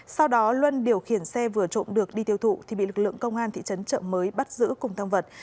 sau đó luân điều khiển xe vừa trộm được đi tiêu thụ thì bị lực lượng công an thị trấn trợ mới bắt giữ cùng thang vật